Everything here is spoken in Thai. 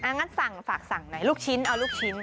งั้นสั่งฝากสั่งหน่อยลูกชิ้นเอาลูกชิ้น